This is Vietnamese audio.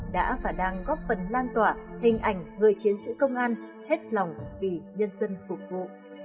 đã và đang góp phần lan tỏa hình ảnh người chiến sĩ công an hết lòng vì nhân dân phục vụ